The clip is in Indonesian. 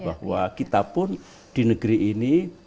bahwa kita pun di negeri ini